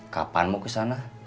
kapan mau kesana